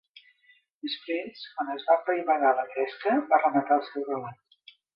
Després, quan es va apaivagar la gresca, va rematar el seu relat.